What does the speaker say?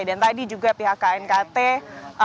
dan tadi juga pihak knkt sempat menyinggung bahwa